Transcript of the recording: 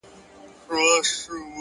هدف لرونکی ژوند ارزښت لري!